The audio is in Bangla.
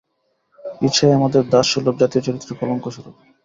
ঈর্ষাই আমাদের দাসসুলভ জাতীয় চরিত্রের কলঙ্কস্বরূপ।